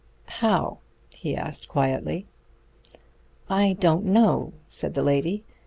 "How?" he asked quietly. "I don't know," said the lady.